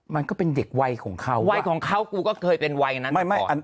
มันก็เป็นเด็กวัยของเขาวัยของเขากูก็เคยเป็นวัยอันนั้น